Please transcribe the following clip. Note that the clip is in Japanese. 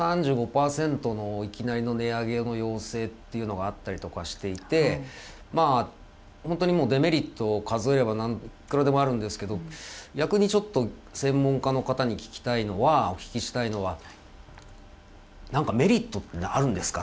３５％のいきなりの値上げの要請っていうのがあったりとかしていてまあ本当にデメリットを数えればいくらでもあるんですけど逆にちょっと専門家の方にお聞きしたいのは何かメリットってあるんですかっていう。